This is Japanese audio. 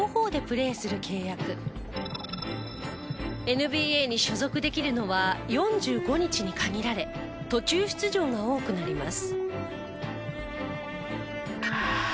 ＮＢＡに所属できるのは４５日に限られ途中出場が多くなります。